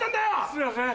すいません。